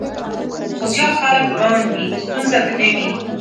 خو زیات خلک روان وي، ستونزه به نه وي.